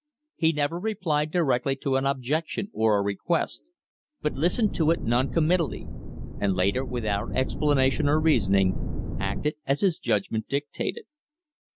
He never replied directly to an objection or a request, but listened to it non committally; and later, without explanation or reasoning, acted as his judgment dictated.